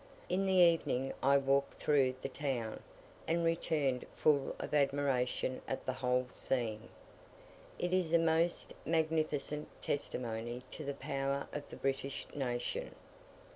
In the evening I walked through the town, and returned full of admiration at the whole scene. It is a most magnificent testimony to the power of the British nation.